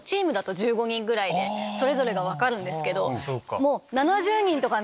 それぞれが分かるんですけど。